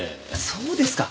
そうですか。